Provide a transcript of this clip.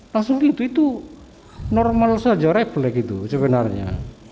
langsung gitu itu normal saja refleks itu sebenarnya